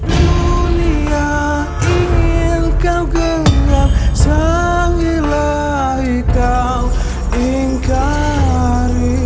dunia ingin kau gengam sang ilahi kau ingkari